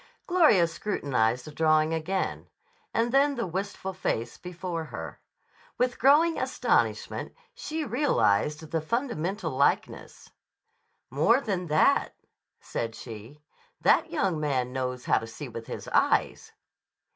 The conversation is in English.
Gloria scrutinized the drawing again, and then the wistful face before her. With growing astonishment she realized the fundamental likeness. "More than that," said she. "That young man knows how to see with his eyes."